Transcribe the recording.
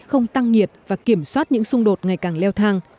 không tăng nhiệt và kiểm soát những xung đột ngày càng leo thang